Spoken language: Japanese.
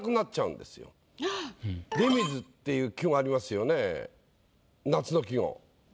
「出水」っていう季語ありますよね夏の季語。